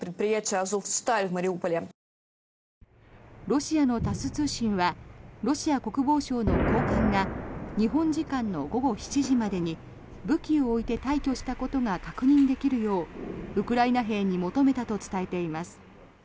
ロシアのタス通信はロシア国防省の高官が日本時間の午後７時までに武器を置いて退去したことが確認できるようウクライナ兵に求めたと伝えています。